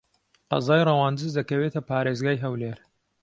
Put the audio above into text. قەزای ڕەواندز دەکەوێتە پارێزگای هەولێر.